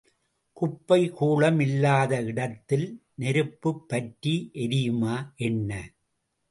குப்பை கூளம் இல்லாத இடத்தில் நெருப்புப் பற்றி எரியுமா என்ன?